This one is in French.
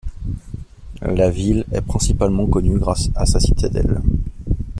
La ville est principalement connue grâce à sa citadelle.